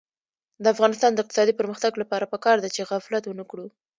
د افغانستان د اقتصادي پرمختګ لپاره پکار ده چې غفلت ونکړو.